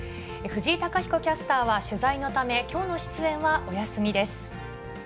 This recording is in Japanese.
藤井貴彦キャスターは取材のため、きょうの出演はお休みです。